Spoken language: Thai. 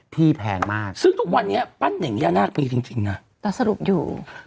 แพงมากซึ่งทุกวันนี้ปั้นเน่งย่านาคมีจริงนะแต่สรุปอยู่